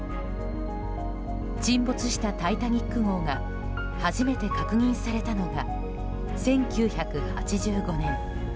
沈没した「タイタニック号」が初めて確認されたのは１９８５年。